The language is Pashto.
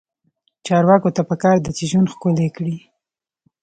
چارواکو ته پکار ده چې، ژوند ښکلی کړي.